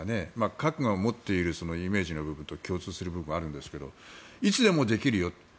核が持っているイメージの部分と共通する部分があるんですがいつでもできるよと。